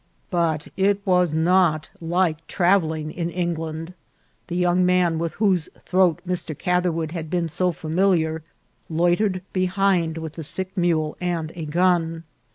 But it was not like travelling in England. The young man with whose throat Mr. Catherwood had been so familiar loitered behind with the sick mule and a gun.